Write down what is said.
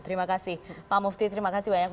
terima kasih pak mufti terima kasih banyak